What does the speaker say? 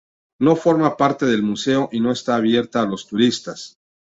No forma parte del museo y no está abierta a los turistas.